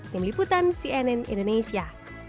tim liputan cnn indonesia